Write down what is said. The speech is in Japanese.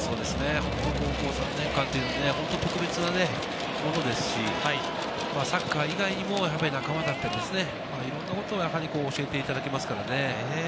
高校３年間はね、本当に特別なことですし、サッカー以外にも仲間だったりですね、いいことを教えていただけますからね。